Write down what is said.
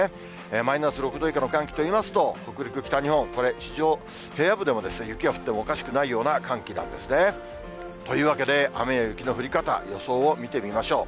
マイナス６度以下の寒気といいますと、北陸、北日本、これ、地上、平野部でも雪が降ってもおかしくないような寒気なんですね。というわけで、雨や雪の降り方、予想を見てみましょう。